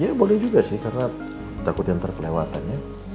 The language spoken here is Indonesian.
ya boleh juga sih karena takut yang terkelewatannya